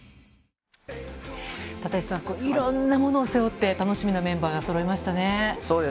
立石さん、いろんなものを背負って、楽しみなメンバーがそろいましたね。